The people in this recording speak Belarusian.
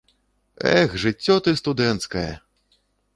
Эх, жыццё ты студэнцкае!